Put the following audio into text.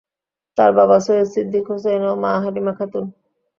তার বাবা সৈয়দ সিদ্দিক হুসাইন ও মা হালিমা খাতুন।